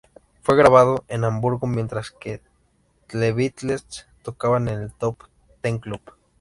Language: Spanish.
Fue grabado en Hamburgo, mientras que The Beatles tocaban en el Top Ten Club.